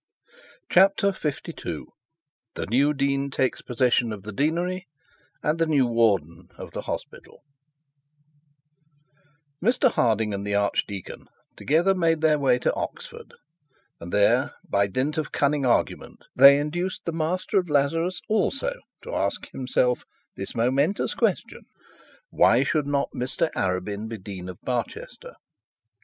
CHAPTER LII THE NEW DEAN TAKES POSSESSION OF THE DEANERY AND THE NEW WARDEN OF THE HOSPITAL Mr Harding and the archdeacon together made their way to Oxford, and there, by dint of cunning argument, they induced the Master of Lazarus also to ask himself this momentous question: 'Why should not Mr Arabin be Dean of Barchester?'